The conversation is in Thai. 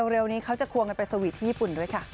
เร็วนี้เขาจะควงกันไปสวีทที่ญี่ปุ่นด้วยค่ะ